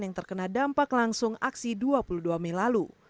yang terkena dampak langsung aksi dua puluh dua mei lalu